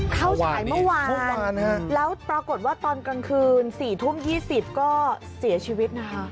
เข้าสายเมื่อวานแล้วปรากฏว่าตอนกลางคืน๔ทุ่ม๒๐ก็เสียชีวิตนะคะ